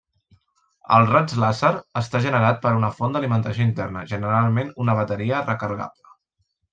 El raig làser està generat per una font d'alimentació interna, generalment una bateria recarregable.